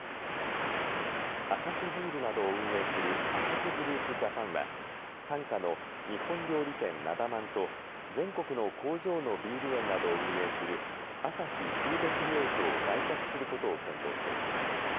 アサヒビールなどを運営するアサヒグループジャパンは傘下の日本料理店なだ万と全国の工場のビール園などを運営するアサヒフードクリエイトを売却することを検討しています。